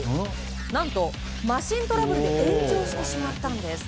何と、マシントラブルで炎上してしまったんです。